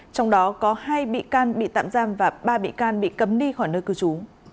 trong đó có hai bị can bị tạm giam và ba bị can bị cấm đi khỏi nơi cư trú